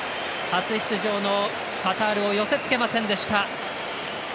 初出場のカタールを寄せつけませんでした。